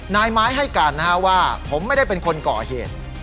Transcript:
นายไม้ให้กันนะฮะว่าผมไม่ได้เป็นคนก่อเหตุ